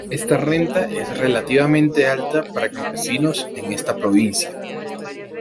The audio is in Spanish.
Esta renta es relativamente alta para campesinos en esta provincia.